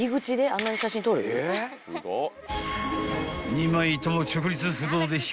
［２枚とも］